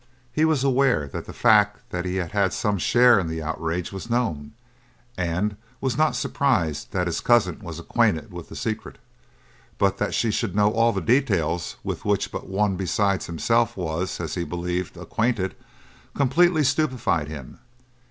He was aware that the fact that he had had some share in the outrage was known, and was not surprised that his cousin was acquainted with the secret; but that she should know all the details with which but one besides himself was, as he believed, acquainted, completely stupefied him.